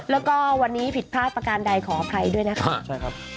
แล้วก็วันนี้ผิดพลาดประการใดขออภัยด้วยนะคะใช่ครับ